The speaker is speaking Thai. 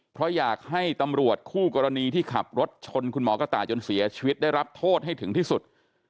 เพราะอยากให้ตำรวจคู่กรณีที่ขับรถชนคุณหมอกระต่ายจนเสียชีวิตได้รับโทษให้ถึงที่สุด